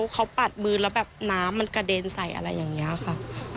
เขาปัดมือแล้วแบบน้ำมันกระเด็นใส่อะไรอย่างนี้ค่ะ